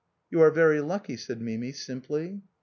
" You are very lucky," said Mimi, simply.